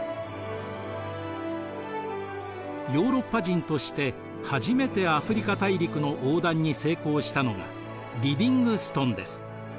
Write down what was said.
ヨーロッパ人として初めてアフリカ大陸の横断に成功したのがリヴィングストンです。